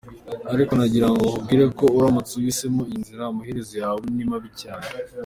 Ariko nagirango nkubwire ko uramutse uhisemo iyi nzira, amaherezo yawe ni mabi cyane.